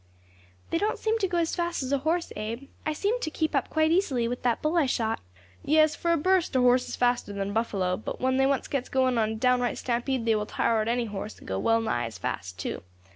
"They don't seem to go as fast as a horse, Abe. I seemed to keep up quite easily with that bull I shot." "Yes, for a burst a horse is faster than a buffalo, but when they once gets going on a downright stampede they will tire out any horse, and go well nigh as fast too.